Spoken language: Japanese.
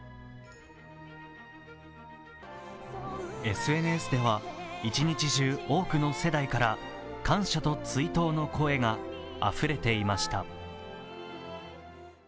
ＳＮＳでは、一日中、多くの世代から感謝と追悼の声があふれていました。